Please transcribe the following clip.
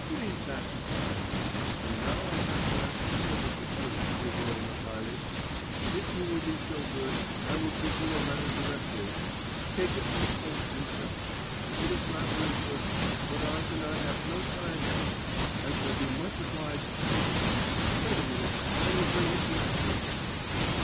Leave that to time. And now I have to ask a service of you, Grigory Mihalitch; if you will be so good, I will give you a letter directly: take it to the post yourself, it is rather important, but aunt and I have no time now.... I shall be much obliged to you. Wait a minute.... I will bring it directly....